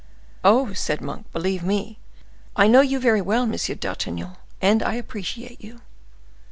"Oh!" said Monk, "believe me, I know you well, Monsieur d'Artagnan, and I appreciate you."